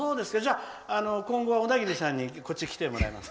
今後は小田切さんにこっちに来てもらいます。